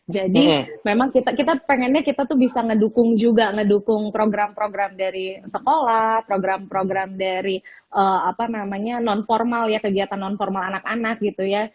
jadi memang kita pengennya kita tuh bisa ngedukung juga ngedukung program program dari sekolah program program dari non formal ya kegiatan non formal anak anak gitu ya